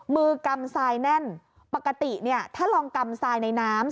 กำทรายแน่นปกติเนี่ยถ้าลองกำทรายในน้ำ